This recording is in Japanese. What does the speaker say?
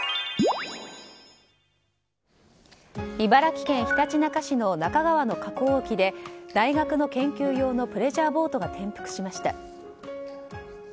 茨城県ひたちなか市の那珂川の河口沖で大学の研究用のプレジャーボートが転覆しました。